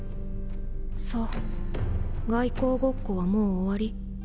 そう外交ごっこはもう終わり？